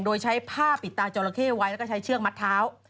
โดยใช้ผ้าปิดตาจอราเข้ไว้แล้วก็ใช้เชือกมัดเท้า